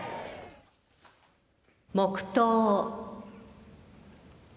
黙とう。